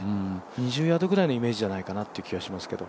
２０ヤードぐらいのイメージじゃないかなという気がしますけど。